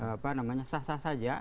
apa namanya sah sah saja